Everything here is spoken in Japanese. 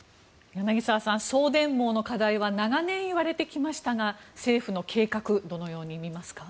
柳澤さん、送電網の課題は長年言われてきましたが政府の計画どのように見ますか？